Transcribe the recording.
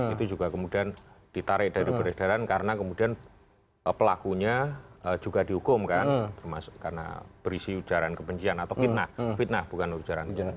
itu juga kemudian ditarik dari peredaran karena kemudian pelakunya juga dihukum kan termasuk karena berisi ujaran kebencian atau fitnah fitnah bukan ujaran